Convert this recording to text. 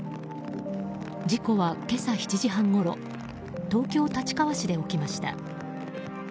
事故は今朝７時半ごろ東京・立川市で起きました。